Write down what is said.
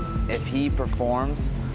jika dia berperan seperti itu